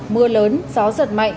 mưa lớn gió giật mạnh